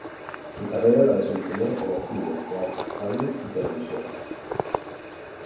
Su carrera la desempeñó en el cine, teatro, radio y televisión.